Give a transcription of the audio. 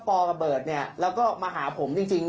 กับเบิร์ตเนี่ยแล้วก็มาหาผมจริง